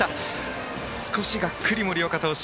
少しがっくり、森岡投手。